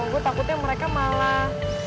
gue takutnya mereka malah